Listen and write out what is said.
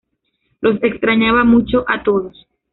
Los extrañaba mucho a todos.